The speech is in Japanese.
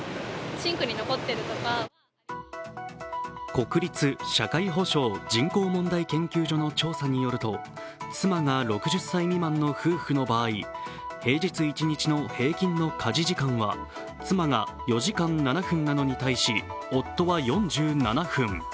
国立社会保障・人口問題研究所の調査によると妻が６０歳未満の夫婦の場合、平日一日の平均の家事時間は妻が４時間７分なのに対し夫は４７分。